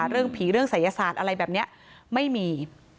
เรื่องผีเรื่องศัยศาสตร์อะไรแบบนี้ไม่มี